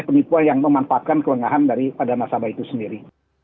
penipuan yang memanfaatkan kelengahan dari pada nasabah itu sendiri